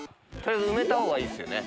埋めたほうがいいっすよね。